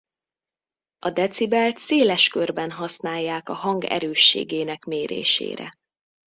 A decibelt széles körben használják a hang erősségének mérésére.